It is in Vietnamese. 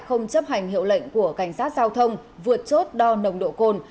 không chấp hành hiệu lệnh của cảnh sát giao thông vượt chốt đo nồng độ cồn